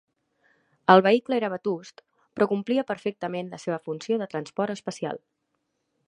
El vehicle era vetust, però complia perfectament la seva funció de transport especial.